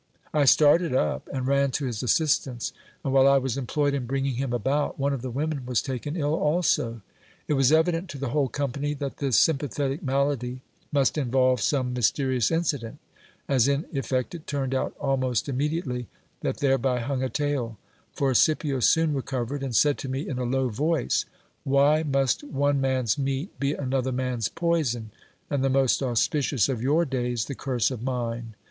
I started up and ran to his assistance ; and while I was employed in bringing him about, one of the women was taken ill also. It was evident to the whole company that this sympathetic malady must involve some mysterious incident, as in effect it turned out almost immediately, that thereby hung a tale ; for Scipio soon recovered, and said to me in a low voice, Why must one man's meat be another man's poison, and the most auspicious of your days the curse of mine